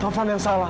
taufan yang salah